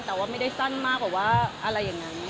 แต่ว่าไม่ได้สั้นมากกว่าว่าอะไรอย่างนั้น